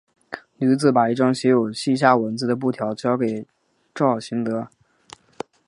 女子把一张写有西夏文字的布条交给赵行德。